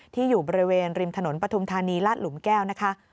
อยู่บริเวณริมถนนปฐุมธานีลาดหลุมแก้วนะคะ